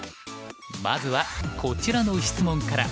まずはこちらの質問から。